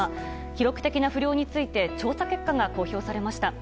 記録的な不漁について調査結果が公表されました。